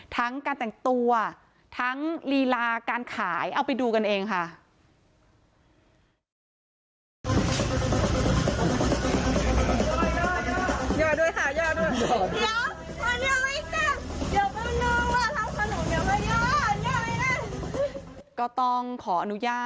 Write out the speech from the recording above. ทั้งการแต่งตัวทั้งลีลาการขายเอาไปดูกันเองค่ะ